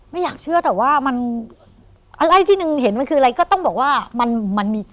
ไม่อยากเชื่อแต่ว่ามันอะไรที่หนึ่งเห็นมันคืออะไรก็ต้องบอกว่ามันมันมี